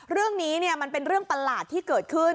เรื่องนี้มันเป็นเรื่องประหลาดที่เกิดขึ้น